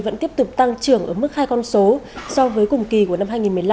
vẫn tiếp tục tăng trưởng ở mức hai con số so với cùng kỳ của năm hai nghìn một mươi năm